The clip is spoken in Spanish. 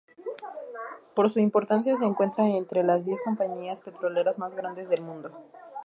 Por su importancia se encuentra entre las diez compañías petroleras más grandes del mundo.